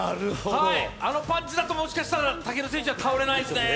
あのパンチだと、もしかしたら武尊選手は倒れないですね。